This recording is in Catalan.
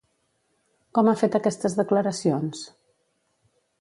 Com ha fet aquestes declaracions?